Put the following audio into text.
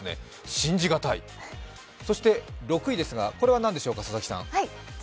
信じがたい、そして６位は何でしょうか？